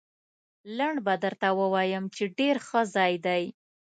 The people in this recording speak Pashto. لنډ به درته ووایم، چې ډېر ښه ځای دی.